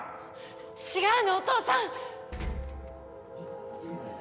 違うのお父さん！